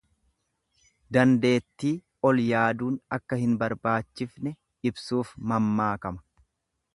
Dandeetti ol yaaduun akka hin barbaachifne ibsuuf mammaakama.